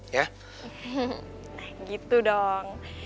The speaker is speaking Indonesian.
nah gitu dong